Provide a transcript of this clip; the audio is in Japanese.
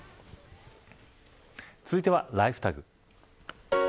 続いてはＬｉｆｅＴａｇ。